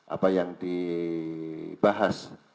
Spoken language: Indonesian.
apa yang dibahas